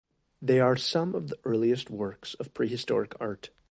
They are some of the earliest works of prehistoric art.